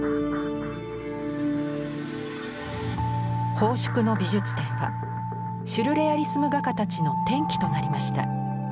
奉祝の美術展はシュルレアリスム画家たちの転機となりました。